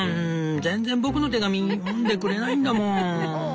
全然僕の手紙読んでくれないんだもん」。